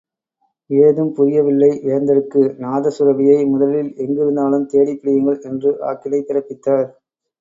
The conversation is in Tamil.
ஏதும் புரியவில்லை வேந்தருக்கு நாதசுரபியை முதலில் எங்கிருந்தாலும் தேடிப் பிடியுங்கள்! என்று ஆக்கினை பிறப்பித்தார்.